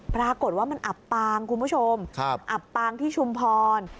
ปรากฏว่ามันอับปางคุณผู้ชมอับปางที่ชุมพร